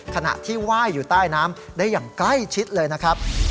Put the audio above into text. ขณะที่ไหว้อยู่ใต้น้ำได้อย่างใกล้ชิดเลยนะครับ